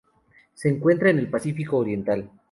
Se encuentra en el Pacífico oriental.